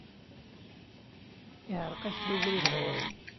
Iεreq-ak-d ubrid ɣur-i.